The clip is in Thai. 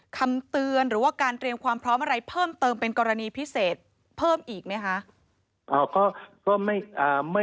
คำเตือนหรือว่าการเตรียมความพร้อมอะไรเพิ่มเติมเป็นกรณีพิเศษเพิ่มอีกไหมคะ